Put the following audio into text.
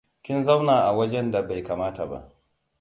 Kin zauna a wajen da bai kamata ba.